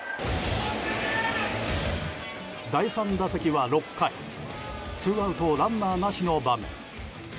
第３打席は６回ツーアウトランナーなしの場面。